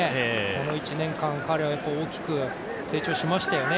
この１年間、彼は大きく成長しましたよね。